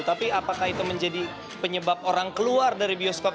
tapi apakah itu menjadi penyebab orang keluar dari bioskop